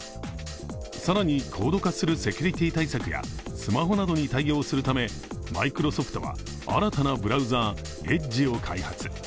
更に高度化するセキュリティ対策やスマホなどに対応するためマイクロソフトは、新たなブラウザー、エッジを開発。